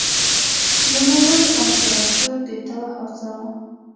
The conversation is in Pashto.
نوموړي امپراتور دې ته وهڅاوه.